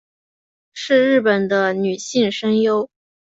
是日本的女性声优。